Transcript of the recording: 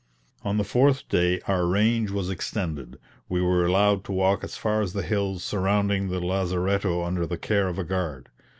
On the fourth day our range was extended, we were allowed to walk as far as the hills surrounding the lazaretto under the care of a guard.